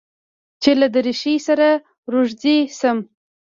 چې له دريشۍ سره روږدى سم.